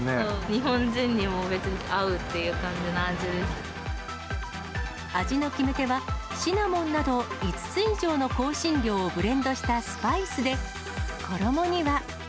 日本人にも別に合うっていう味の決め手は、シナモンなど、５つ以上の香辛料をブレンドしたスパイスで、衣には。